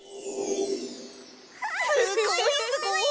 すごいすごい！